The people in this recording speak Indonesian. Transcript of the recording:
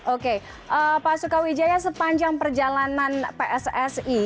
oke pak soekar wijaya sepanjang perjalanan pssi